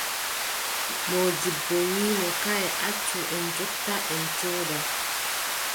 Moodibbo wii mo : kaay, accu en njotta, en cooda.